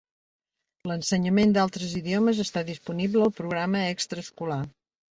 L'ensenyament d'altres idiomes està disponible al programa extraescolar.